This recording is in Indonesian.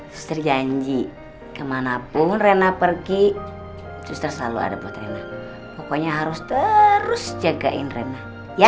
seri anji kemanapun rena pergi juster selalu ada pokoknya harus terus jagain rena ya